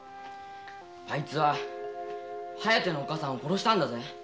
あいつは「疾風」のおっかさんを殺したんだぜ。